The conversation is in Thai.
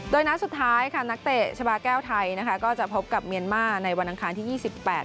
โดยนัดสุดท้ายค่ะนักเตะชาบาแก้วไทยนะคะก็จะพบกับเมียนมาร์ในวันอังคารที่ยี่สิบแปด